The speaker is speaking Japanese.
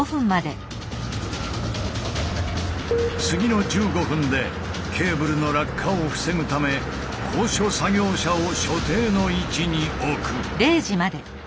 次の１５分でケーブルの落下を防ぐため高所作業車を所定の位置に置く。